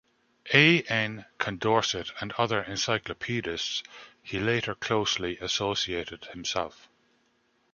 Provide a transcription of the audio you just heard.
A. N. Condorcet and other Encyclopedists, he later closely associated himself.